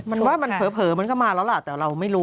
มันว่ามันเผลอมันก็มาแล้วล่ะแต่เราไม่รู้